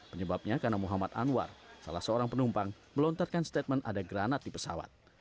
penyebabnya karena muhammad anwar salah seorang penumpang melontarkan statement ada granat di pesawat